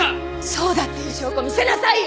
そうだっていう証拠見せなさいよ！